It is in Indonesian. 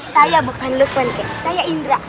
saya bukan lukman kakek saya indra